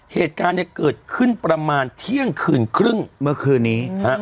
เหตุการณ์เนี่ยเกิดขึ้นประมาณเที่ยงคืนครึ่งเมื่อคืนนี้